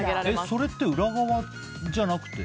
それって裏側じゃなくて？